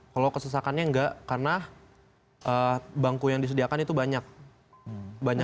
kalau kesesakannya enggak karena bangku yang disediakan itu banyak